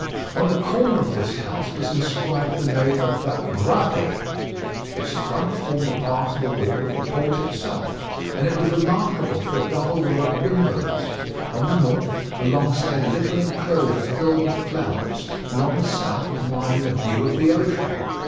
On the corner of this house was inscribed the name of the "Bravées." Its front formed a part of the wall of the port itself, and it was remarkable for a double row of windows: on the north, alongside a little enclosure filled with flowers, and on the south commanding a view of the ocean.